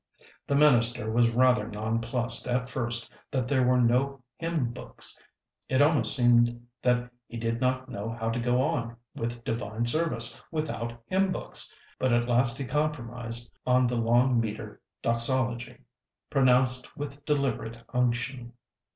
The minister was rather nonplussed at first that there were no hymn books. It almost seemed that he did not know how to go on with divine service without hymn books, but at last he compromised on the long meter Doxology, pronounced with deliberate unction.